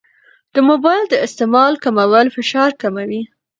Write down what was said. د موبایل د استعمال کمول فشار کموي.